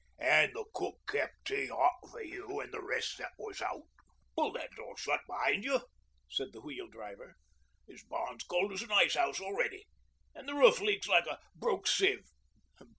'An' the cook kep' tea hot for you an' the rest that was out.' 'Pull that door shut be'ind you,' said the Wheel Driver. 'This barn's cold as a ice 'ouse already, an' the roof leaks like a broke sieve.